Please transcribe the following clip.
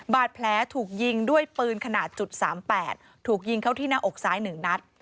บาดแผลถูกยิงด้วยปืนขนาด๓๘ถูกยิงเข้าที่หน้าอกซ้าย๑นัด